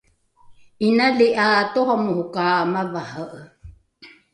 inali ’a toramoro ka mavare’e